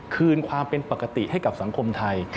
คืนความเป็นปกติให้กับสังคมไทย